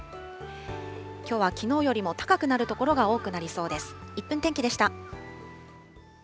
きょうはきのうよりも高くなる所が多くなりそうです。